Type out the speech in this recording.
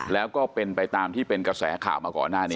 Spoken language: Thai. แล้วก็เป็นไปตามที่เป็นกระแสข่าวมาก่อนหน้านี้